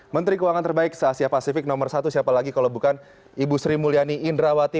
menteri keuangan terbaik se asia pasifik nomor satu siapa lagi kalau bukan ibu sri mulyani indrawati